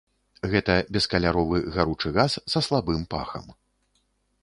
Гэта бескаляровы гаручы газ са слабым пахам.